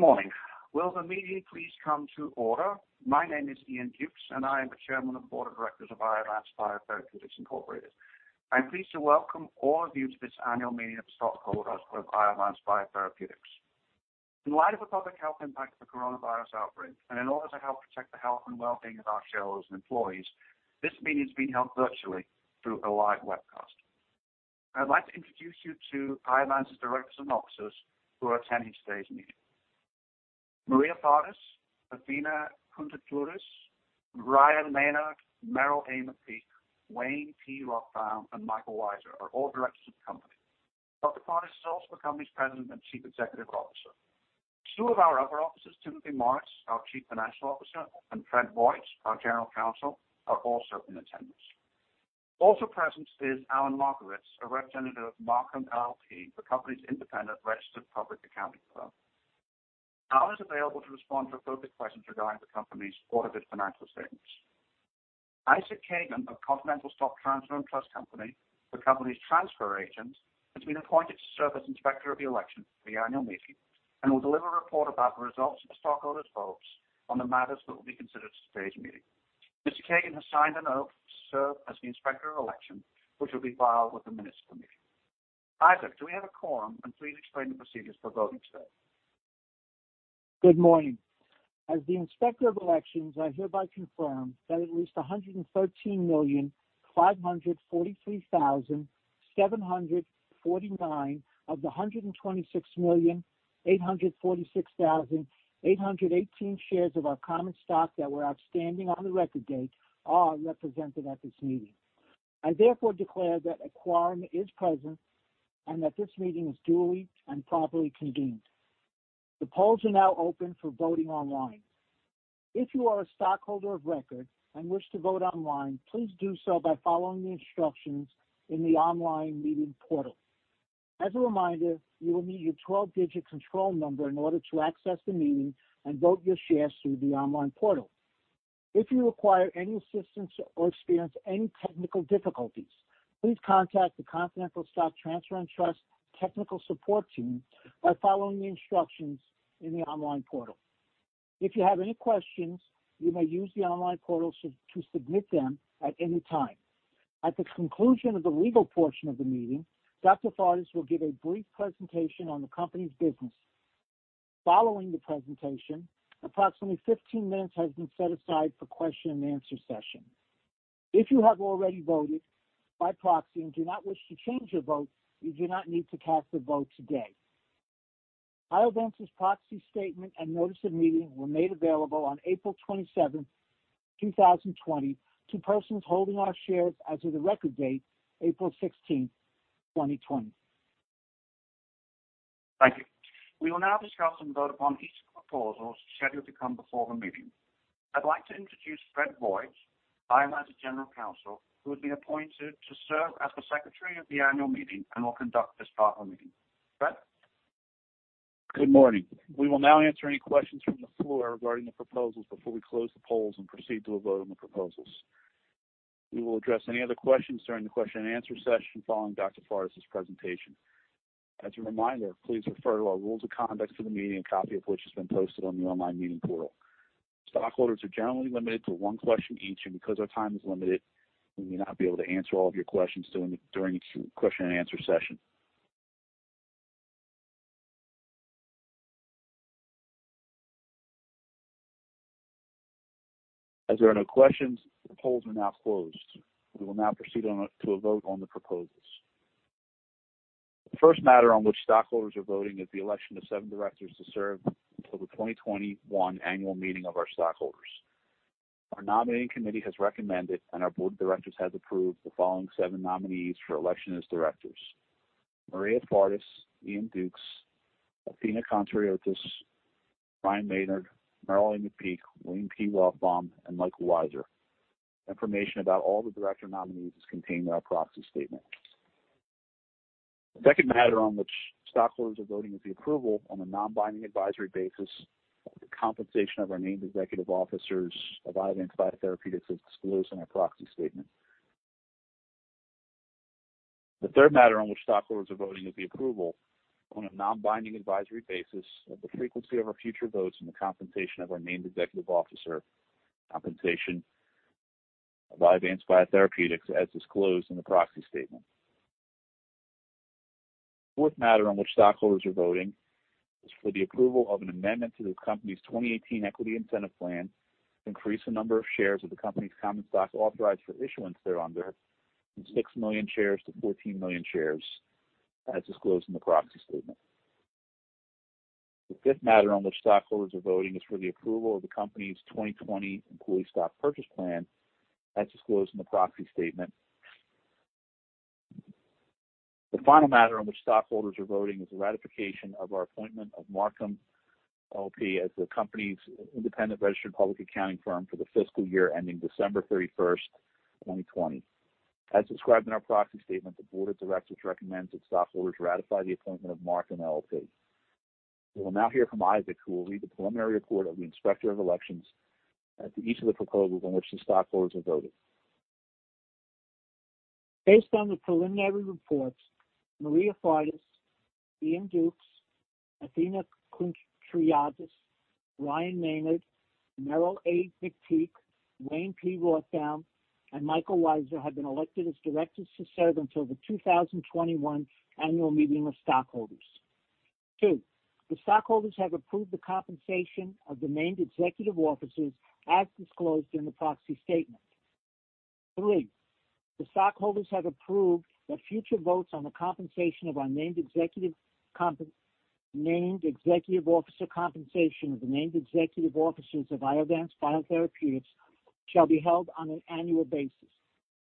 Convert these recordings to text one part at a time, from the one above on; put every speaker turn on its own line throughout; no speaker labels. Good morning. Will the meeting please come to order? My name is Iain Dukes, and I am the Chairman of the Board of Directors of Iovance Biotherapeutics Incorporated. I'm pleased to welcome all of you to this annual meeting of stockholders of Iovance Biotherapeutics. In light of the public health impact of the coronavirus outbreak, and in order to help protect the health and well-being of our shareholders and employees, this meeting is being held virtually through a live webcast. I'd like to introduce you to Iovance's directors and officers who are attending today's meeting. Maria Fardis, Athena Countouriotis, Ryan Maynard, Merrill A. McPeak, Wayne P. Rothbaum, and Michael Weiser are all directors of the company. Dr. Fardis is also the company's President and Chief Executive Officer. Two of our other officers, Timothy Morris, our Chief Financial Officer, and Fred Vogt, our General Counsel, are also in attendance. Also present is Alan Markowitz, a representative of Marcum LLP, the company's independent registered public accounting firm. Alan is available to respond to focused questions regarding the company's audited financial statements. Isaac Kagan of Continental Stock Transfer & Trust Company, the company's transfer agent, has been appointed to serve as inspector of the election for the annual meeting and will deliver a report about the results of the stockholders' votes on the matters that will be considered at today's meeting. Mr. Kagan has signed an oath to serve as the inspector of election, which will be filed with the minutes of the meeting. Isaac, do we have a quorum, and please explain the procedures for voting today.
Good morning. As the inspector of elections, I hereby confirm that at least 113,543,749 of the 126,846,818 shares of our common stock that were outstanding on the record date are represented at this meeting. I therefore declare that a quorum is present and that this meeting is duly and properly convened. The polls are now open for voting online. If you are a stockholder of record and wish to vote online, please do so by following the instructions in the online meeting portal. As a reminder, you will need your 12-digit control number in order to access the meeting and vote your shares through the online portal. If you require any assistance or experience any technical difficulties, please contact the Continental Stock Transfer and Trust technical support team by following the instructions in the online portal. If you have any questions, you may use the online portal to submit them at any time. At the conclusion of the legal portion of the meeting, Dr. Fardis will give a brief presentation on the company's business. Following the presentation, approximately 15 minutes has been set aside for question and answer session. If you have already voted by proxy and do not wish to change your vote, you do not need to cast a vote today. Iovance's proxy statement and notice of meeting were made available on April 27th, 2020 to persons holding our shares as of the record date, April 16th, 2020.
Thank you. We will now discuss and vote upon each of the proposals scheduled to come before the meeting. I'd like to introduce Fred Vogt, Iovance's General Counsel, who has been appointed to serve as the secretary of the annual meeting and will conduct this part of the meeting. Fred?
Good morning. We will now answer any questions from the floor regarding the proposals before we close the polls and proceed to a vote on the proposals. We will address any other questions during the question-and-answer session following Dr. Maria Fardis' presentation. As a reminder, please refer to our rules of conduct for the meeting, a copy of which has been posted on the online meeting portal. Stockholders are generally limited to one question each. Because our time is limited, we may not be able to answer all of your questions during the question and answer session. As there are no questions, the polls are now closed. We will now proceed to a vote on the proposals. The first matter on which stockholders are voting is the election of seven directors to serve until the 2021 annual meeting of our stockholders. Our nominating committee has recommended, and our board of directors has approved, the following seven nominees for election as directors: Maria Fardis, Iain Dukes, Athena Countouriotis, Ryan Maynard, Merrill A. McPeak, Wayne P. Rothbaum, and Michael Weiser. Information about all the director nominees is contained in our proxy statement. The second matter on which stockholders are voting is the approval on a non-binding advisory basis of the compensation of our named executive officers of Iovance Biotherapeutics as disclosed in our proxy statement. The third matter on which stockholders are voting is the approval on a non-binding advisory basis of the frequency of our future votes on the compensation of our named executive officer compensation of Iovance Biotherapeutics as disclosed in the proxy statement. The fourth matter on which stockholders are voting is for the approval of an amendment to the company's 2018 Equity Incentive Plan to increase the number of shares of the company's common stock authorized for issuance thereunder from 6 million shares to 14 million shares, as disclosed in the proxy statement. The fifth matter on which stockholders are voting is for the approval of the company's 2020 Employee Stock Purchase Plan, as disclosed in the proxy statement. The final matter on which stockholders are voting is the ratification of our appointment of Marcum LLP as the company's independent registered public accounting firm for the fiscal year ending December 31st, 2020. As described in our proxy statement, the board of directors recommends that stockholders ratify the appointment of Marcum LLP. We will now hear from Isaac, who will read the preliminary report of the inspector of elections as to each of the proposals on which the stockholders are voting.
Based on the preliminary reports, Maria Fardis, Iain Dukes, Athena Countouriotis, Ryan Maynard, Merrill A. McPeak, Wayne P. Rothbaum, and Michael Weiser have been elected as directors to serve until the 2021 annual meeting of stockholders. Two, the stockholders have approved the compensation of the named executive officers as disclosed in the proxy statement. Three, the stockholders have approved that future votes on the compensation of the named executive officers of Iovance Biotherapeutics shall be held on an annual basis.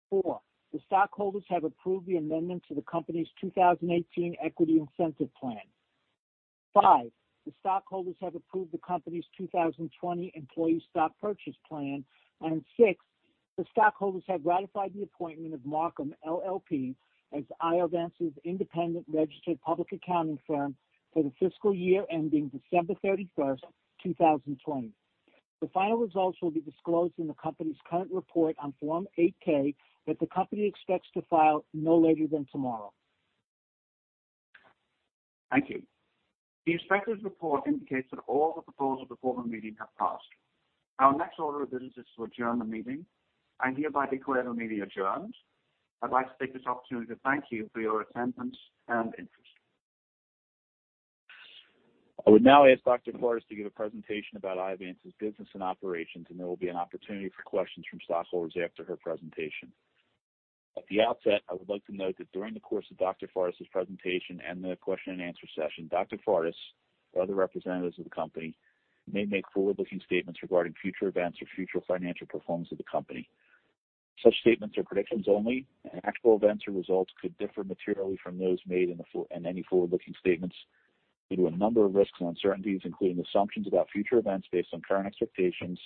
Four, the stockholders have approved the amendment to the company's 2018 Equity Incentive Plan. Five, the stockholders have approved the company's 2020 Employee Stock Purchase Plan. Six, the stockholders have ratified the appointment of Marcum LLP as Iovance's independent registered public accounting firm for the fiscal year ending December 31st, 2020. The final results will be disclosed in the company's current report on Form 8-K that the company expects to file no later than tomorrow.
Thank you. The inspector's report indicates that all the proposals before the meeting have passed. Our next order of business is to adjourn the meeting. I hereby declare the meeting adjourned. I'd like to take this opportunity to thank you for your attendance and interest.
I would now ask Dr. Fardis to give a presentation about Iovance's business and operations, and there will be an opportunity for questions from stockholders after her presentation. At the outset, I would like to note that during the course of Dr. Maria Fardis' presentation and the question and answer session, Dr. Maria Fardis or other representatives of the company may make forward-looking statements regarding future events or future financial performance of the company. Such statements are predictions only, and actual events or results could differ materially from those made in any forward-looking statements due to a number of risks and uncertainties, including assumptions about future events based on current expectations,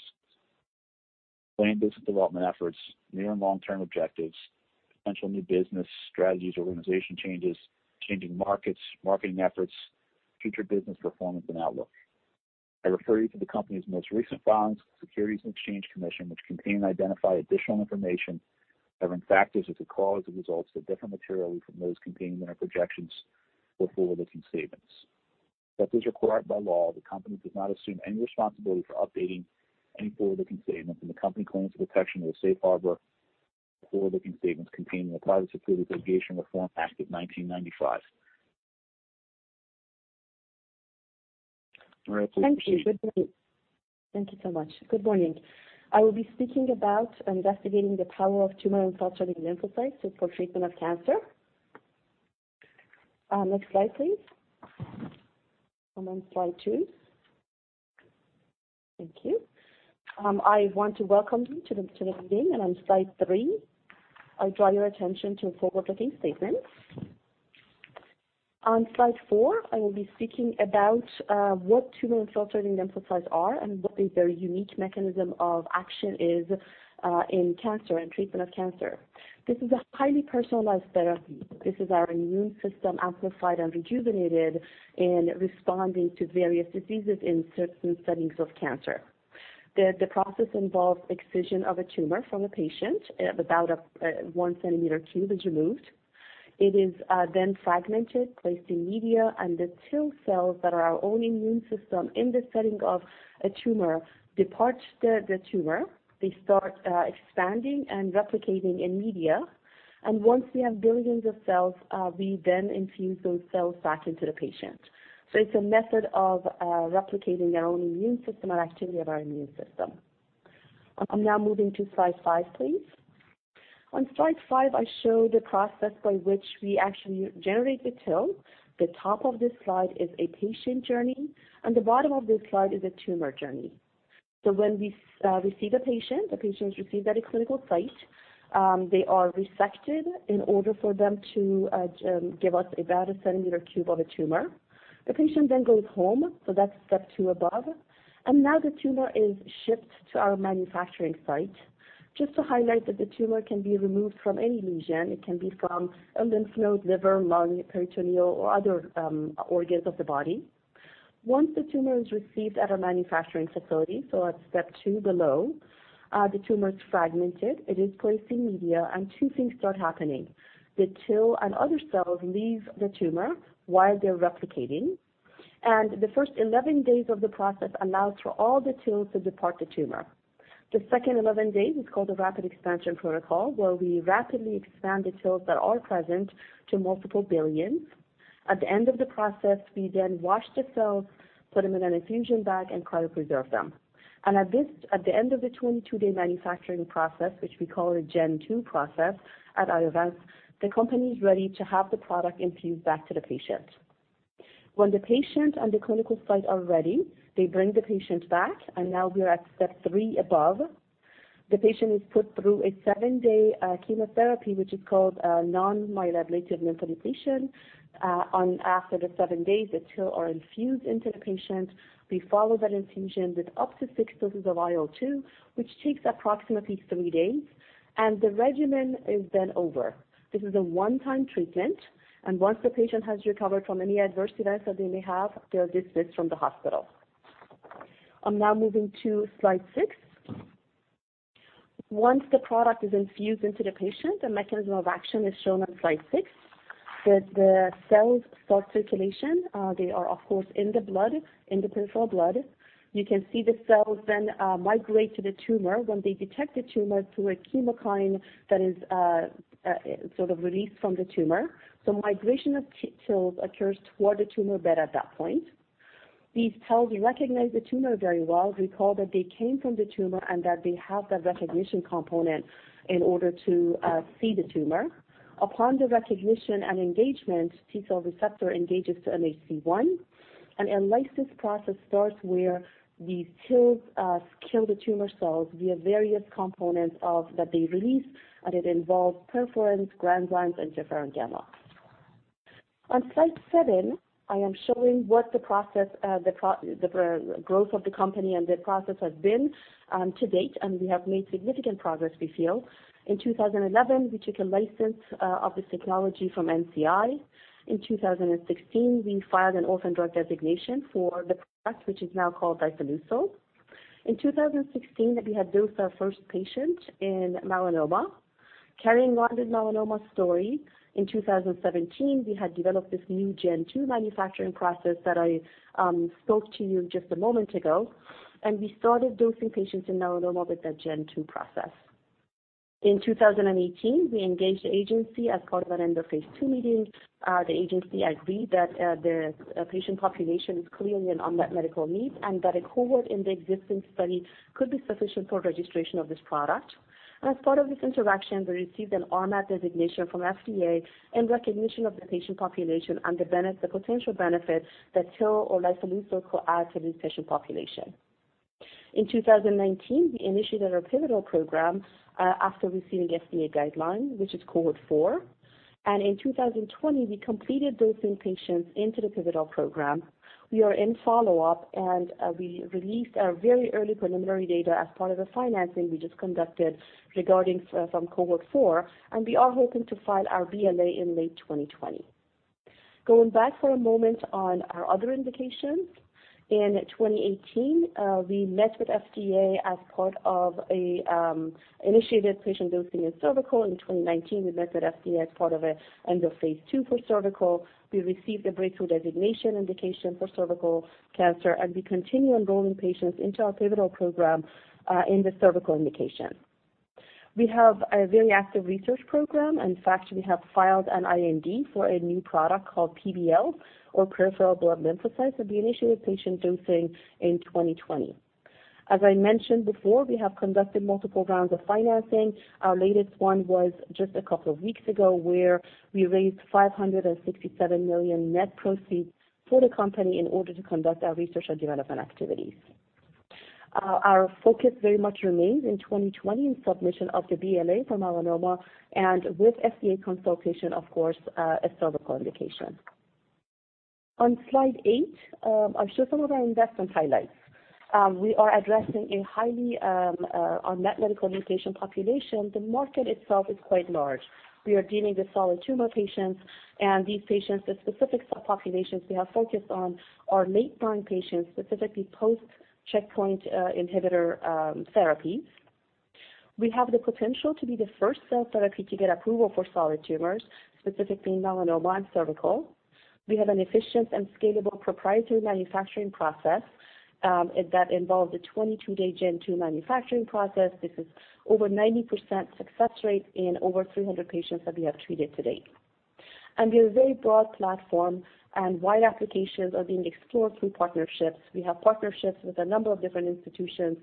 planned business development efforts, near and long-term objectives, potential new business strategies, organization changes, changing markets, marketing efforts, future business performance, and outlook. I refer you to the company's most recent filings with the Securities and Exchange Commission, which contain and identify additional information covering factors that could cause the results to differ materially from those contained in our projections or forward-looking statements. As is required by law, the company does not assume any responsibility for updating any forward-looking statements, and the company claims the protection of the Safe Harbor for forward-looking statements contained in the Private Securities Litigation Reform Act of 1995. All right.
Thank you so much. Good morning. I will be speaking about investigating the power of tumor-infiltrating lymphocytes for treatment of cancer. Next slide, please. I'm on slide two. Thank you. I want to welcome you to the meeting, and on slide three, I draw your attention to forward-looking statements. On slide four, I will be speaking about what tumor-infiltrating lymphocytes are and what their unique mechanism of action is in cancer and treatment of cancer. This is a highly personalized therapy. This is our immune system amplified and rejuvenated in responding to various diseases in certain settings of cancer. The process involves excision of a tumor from a patient. About a one centimeter cube is removed. It is then fragmented, placed in media, and the TIL cells that are our own immune system in the setting of a tumor depart the tumor. They start expanding and replicating in media. Once we have billions of cells, we then infuse those cells back into the patient. It's a method of replicating our own immune system and activity of our immune system. I'm now moving to slide five, please. On slide five, I show the process by which we actually generate the TIL. The top of this slide is a patient journey, and the bottom of this slide is a tumor journey. When we see the patient, the patient is received at a clinical site. They are resected in order for them to give us about a centimeter cube of a tumor. The patient then goes home, so that's step two above. Now the tumor is shipped to our manufacturing site. Just to highlight that the tumor can be removed from any lesion. It can be from a lymph node, liver, lung, peritoneal, or other organs of the body. Once the tumor is received at our manufacturing facility, so at step two below, the tumor is fragmented. It is placed in media, and two things start happening. The TIL and other cells leave the tumor while they're replicating, and the first 11 days of the process allows for all the TILs to depart the tumor. The second 11 days is called the rapid expansion protocol, where we rapidly expand the TILs that are present to multiple billions. At the end of the process, we then wash the cells, put them in an infusion bag, and cryopreserve them. At the end of the 22-day manufacturing process, which we call a Gen 2 process at Iovance, the company's ready to have the product infused back to the patient. When the patient and the clinical site are ready, they bring the patient back, and now we are at step three above. The patient is put through a seven-day chemotherapy, which is called non-myeloablative lymphodepletion. After the seven days, the TIL are infused into the patient. We follow that infusion with up to six doses of IL-2, which takes approximately three days, and the regimen is then over. This is a one-time treatment, and once the patient has recovered from any adverse events that they may have, they are dismissed from the hospital. I'm now moving to slide six. Once the product is infused into the patient, the mechanism of action is shown on slide six, that the cells start circulation. They are, of course, in the blood, in the peripheral blood. You can see the cells then migrate to the tumor when they detect the tumor through a chemokine that is sort of released from the tumor. Migration of T cells occurs toward the tumor bed at that point. These cells recognize the tumor very well. Recall that they came from the tumor, and that they have that recognition component in order to see the tumor. Upon the recognition and engagement, T-cell receptor engages to MHC-1, and a lysis process starts where these TILs kill the tumor cells via various components that they release, and it involves perforins, granzymes, and interferon gamma. On slide seven, I am showing what the growth of the company and the process has been to date, and we have made significant progress, we feel. In 2011, we took a license of this technology from NCI. In 2016, we filed an orphan drug designation for the product, which is now called lifileucel. In 2016, we had dosed our first patient in melanoma. Carrying on with melanoma story, in 2017, we had developed this new Gen 2 manufacturing process that I spoke to you just a moment ago, and we started dosing patients in melanoma with that Gen 2 process. In 2018, we engaged the Agency as part of an end of phase II meeting. The Agency agreed that the patient population is clearly an unmet medical need and that a cohort in the existing study could be sufficient for registration of this product. As part of this interaction, we received an RMAT designation from FDA in recognition of the patient population and the potential benefit that TIL or lifileucel could add to this patient population. In 2019, we initiated our pivotal program, after receiving FDA guidelines, which is Cohort 4. In 2020, we completed dosing patients into the pivotal program. We are in follow-up, and we released our very early preliminary data as part of the financing we just conducted regarding from Cohort 4, and we are hoping to file our BLA in late 2020. Going back for a moment on our other indications. In 2018, we met with FDA as part of a initiated patient dosing in cervical. In 2019, we met with FDA as part of a end of phase II for cervical. We received a breakthrough designation indication for cervical cancer, and we continue enrolling patients into our pivotal program, in the cervical indication. We have a very active research program. In fact, we have filed an IND for a new product called PBL, or peripheral blood lymphocytes. We'll be initiating patient dosing in 2020. As I mentioned before, we have conducted multiple rounds of financing. Our latest one was just a couple of weeks ago, where we raised $567 million net proceeds for the company in order to conduct our research and development activities. Our focus very much remains in 2020 in submission of the BLA for melanoma and with FDA consultation, of course, a cervical indication. On slide eight, I'll show some of our investment highlights. We are addressing a highly unmet medical need patient population. The market itself is quite large. We are dealing with solid tumor patients and these patients, the specific subpopulations we have focused on are late-line patients, specifically post-checkpoint inhibitor therapies. We have the potential to be the first cell therapy to get approval for solid tumors, specifically melanoma and cervical. We have an efficient and scalable proprietary manufacturing process, that involves a 22-day Gen 2 manufacturing process. This is over 90% success rate in over 300 patients that we have treated to date. We have a very broad platform, and wide applications are being explored through partnerships. We have partnerships with a number of different institutions.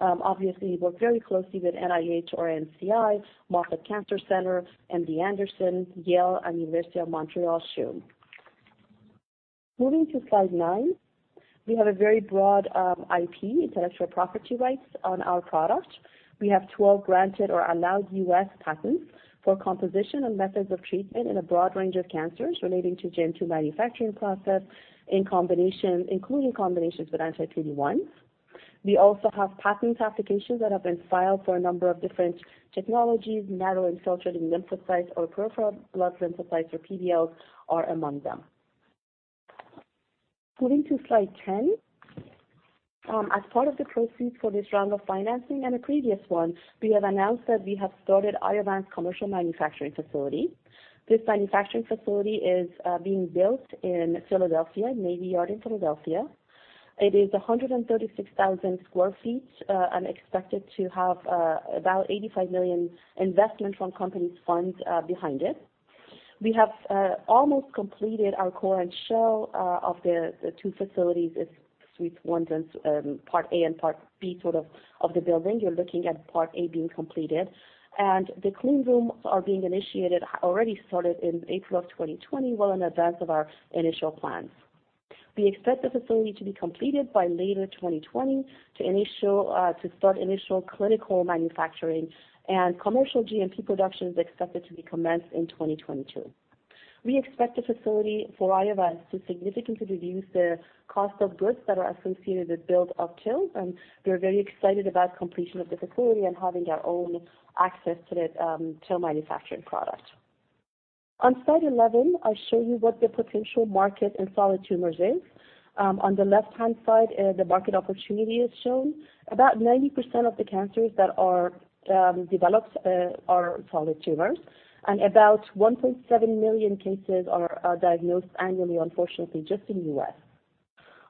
Obviously, we work very closely with NIH or NCI, Moffitt Cancer Center, MD Anderson, Yale, and University of Montreal, CHUM. Moving to slide nine, we have a very broad IP, intellectual property rights, on our product. We have 12 granted or allowed U.S. patents for composition and methods of treatment in a broad range of cancers relating to Gen 2 manufacturing process including combinations with anti-PD-1s. We also have patent applications that have been filed for a number of different technologies, narrowed and filtered in lymphocytes or peripheral blood lymphocytes, or PBLs, are among them. Moving to slide 10. As part of the proceeds for this round of financing and a previous one, we have announced that we have started Iovance commercial manufacturing facility. This manufacturing facility is being built in Philadelphia, Navy Yard in Philadelphia. It is 136,000 sq ft, and expected to have about $85 million investment from company's funds behind it. We have almost completed our core and shell of the two facilities, Suite one and Part A and Part B sort of the building. You're looking at Part A being completed. The clean rooms are being initiated, already started in April of 2020, well in advance of our initial plans. We expect the facility to be completed by later 2020 to start initial clinical manufacturing, and commercial GMP production is expected to be commenced in 2022. We expect the facility for Iovance to significantly reduce the cost of goods that are associated with build of TILs, and we're very excited about completion of the facility and having our own access to the TIL manufacturing product. On slide 11, I show you what the potential market in solid tumors is. On the left-hand side, the market opportunity is shown. About 90% of the cancers that are developed are solid tumors, and about 1.7 million cases are diagnosed annually, unfortunately, just in the U.S.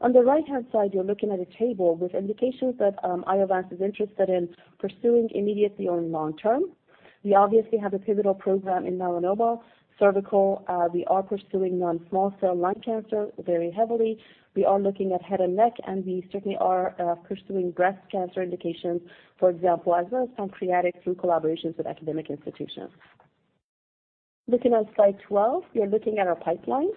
On the right-hand side, you're looking at a table with indications that Iovance is interested in pursuing immediately or long-term. We obviously have a pivotal program in melanoma, cervical. We are pursuing non-small cell lung cancer very heavily. We are looking at head and neck, and we certainly are pursuing breast cancer indications, for example, as well as pancreatic through collaborations with academic institutions. Looking at slide 12, we are looking at our pipelines.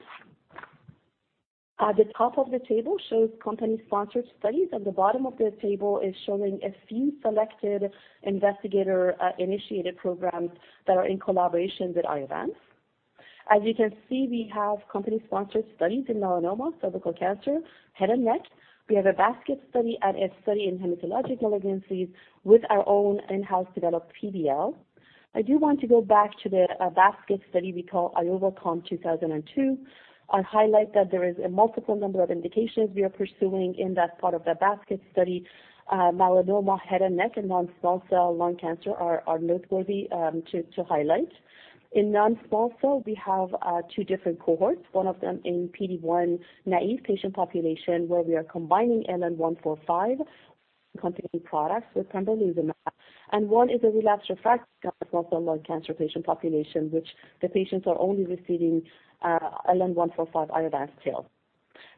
At the top of the table shows company-sponsored studies, and the bottom of the table is showing a few selected investigator-initiated programs that are in collaboration with Iovance. As you can see, we have company-sponsored studies in melanoma, cervical cancer, head and neck. We have a basket study and a study in hematologic malignancies with our own in-house developed PBL. I do want to go back to the basket study we call IOV-COM-202. I highlight that there is a multiple number of indications we are pursuing in that part of the basket study, melanoma, head and neck, and non-small cell lung cancer are noteworthy to highlight. In non-small cell, we have two different cohorts, one of them in PD-1 naive patient population, where we are combining LN-145 company products with pembrolizumab. One is a relapsed refractory non-small cell lung cancer patient population, which the patients are only receiving LN-145 Iovance TIL.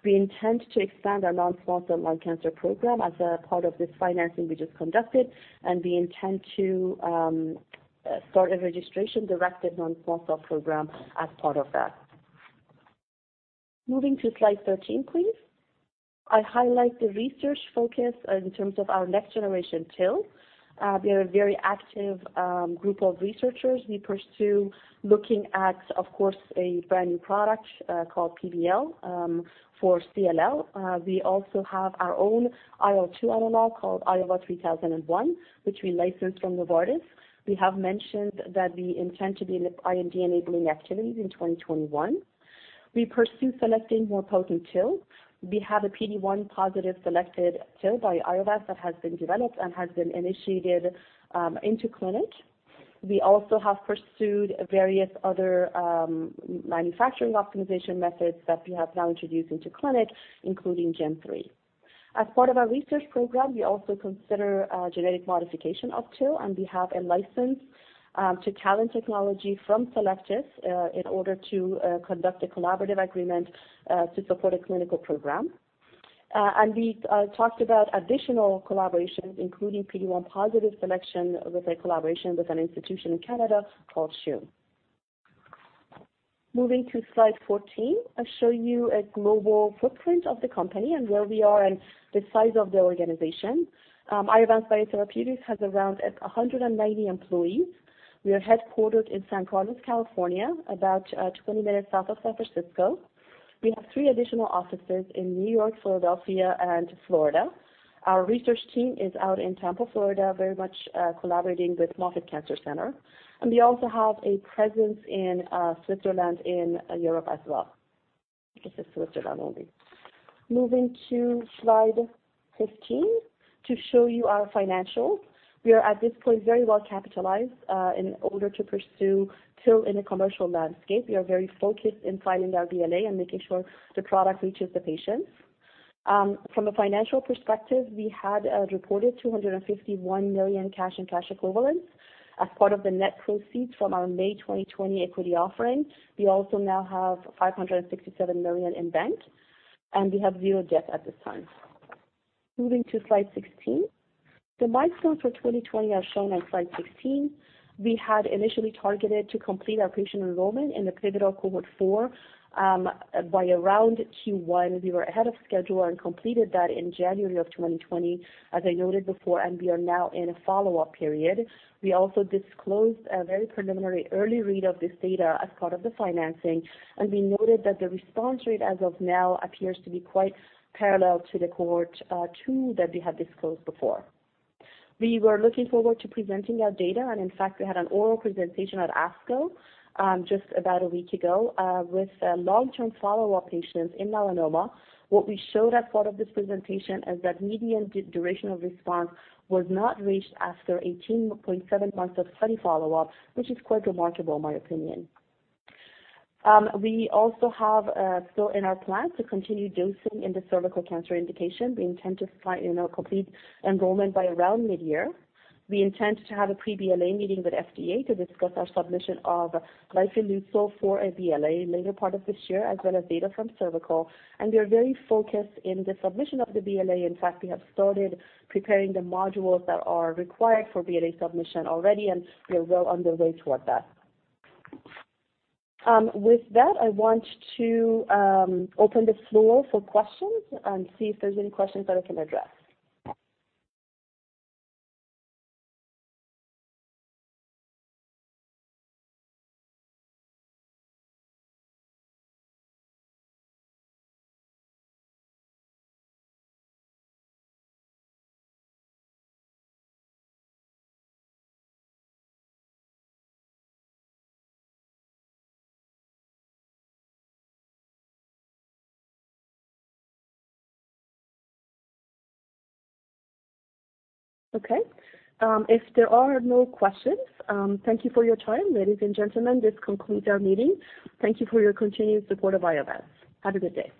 We intend to expand our non-small cell lung cancer program as a part of this financing we just conducted. We intend to start a registration-directed non-small cell program as part of that. Moving to slide 13, please. I highlight the research focus in terms of our next generation TIL. We are a very active group of researchers. We pursue looking at, of course, a brand-new product called PD-L for CLL. We also have our own IL-2 analog called IOV-3001, which we licensed from Novartis. We have mentioned that we intend to be in IND-enabling activities in 2021. We pursue selecting more potent TIL. We have a PD-1 positive selected TIL by Iovance that has been developed and has been initiated into clinic. We also have pursued various other manufacturing optimization methods that we have now introduced into clinic, including Gen 3. We also consider genetic modification of TIL, we have a license to TALEN technology from Cellectis in order to conduct a collaborative agreement to support a clinical program. We talked about additional collaborations, including PD-1 positive selection with a collaboration with an institution in Canada called CHUM. Moving to slide 14, I show you a global footprint of the company and where we are and the size of the organization. Iovance Biotherapeutics has around 190 employees. We are headquartered in San Carlos, California, about 20 minutes south of San Francisco. We have three additional offices in New York, Philadelphia, and Florida. Our research team is out in Tampa, Florida, very much collaborating with Moffitt Cancer Center. We also have a presence in Switzerland, in Europe as well. I guess it's Switzerland only. Moving to slide 15 to show you our financials. We are, at this point, very well capitalized in order to pursue TIL in a commercial landscape. We are very focused in filing our BLA and making sure the product reaches the patients. From a financial perspective, we had a reported $251 million cash and cash equivalents as part of the net proceeds from our May 2020 equity offering. We also now have $567 million in bank, and we have zero debt at this time. Moving to slide 16. The milestones for 2020 are shown on slide 16. We had initially targeted to complete our patient enrollment in the pivotal cohort 4, by around Q1. We were ahead of schedule and completed that in January of 2020, as I noted before, and we are now in a follow-up period. We also disclosed a very preliminary early read of this data as part of the financing, and we noted that the response rate as of now appears to be quite parallel to the cohort 2 that we had disclosed before. We were looking forward to presenting our data, and in fact, we had an oral presentation at ASCO, just about a week ago, with long-term follow-up patients in melanoma. What we showed as part of this presentation is that median duration of response was not reached after 18.7 months of study follow-up, which is quite remarkable, in my opinion. We also have still in our plans to continue dosing in the cervical cancer indication. We intend to complete enrollment by around mid-year. We intend to have a pre-BLA meeting with FDA to discuss our submission of lifileucel for a BLA later part of this year, as well as data from cervical, and we are very focused in the submission of the BLA. In fact, we have started preparing the modules that are required for BLA submission already, and we are well on the way toward that. With that, I want to open the floor for questions and see if there's any questions that I can address. Okay. If there are no questions, thank you for your time, ladies and gentlemen. This concludes our meeting. Thank you for your continued support of Iovance. Have a good day.